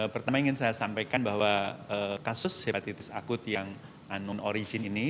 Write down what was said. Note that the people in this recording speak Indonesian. pertama ingin saya sampaikan bahwa kasus hepatitis akut yang unnow origin ini